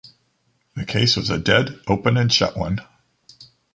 The case was a dead open-and-shut one.